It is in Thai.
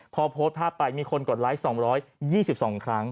พอโพสต์ภาพไปมีคนกดไลค์๒๒ครั้ง